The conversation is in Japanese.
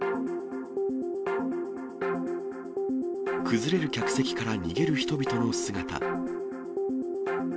崩れる客席から逃げる人々の姿。